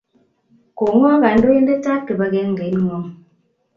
Ko ng'o kandoindetap kipakengeing'wong'?